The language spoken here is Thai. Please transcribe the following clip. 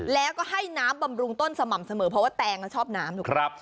แล้วก็ให้น้ำบำรุงต้นสม่ำเสมอเพราะว่าแตงชอบน้ำถูกครับ